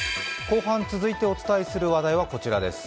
後半、続いてお伝えする話題はこちらです。